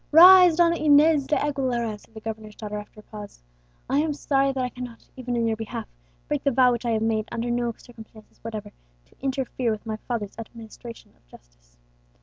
"Rise, Donna Inez de Aguilera," said the governor's daughter after a pause; "I am sorry that I cannot, even in your behalf, break the vow which I have made, under no circumstances whatever to interfere with my father's administration of justice."